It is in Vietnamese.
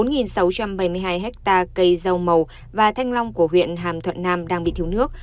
bốn sáu trăm bảy mươi hai hectare cây rau màu và thanh long của huyện hàm thuận nam đang bị thiếu nước